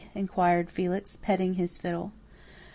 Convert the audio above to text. inquired Felix, petting his fiddle.